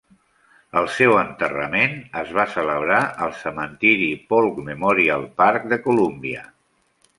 El seu enterrament es va celebrar al cementiri Polk Memorial Park de Colúmbia.